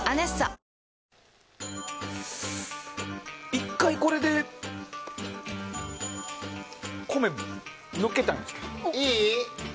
１回これで米、乗っけたいです。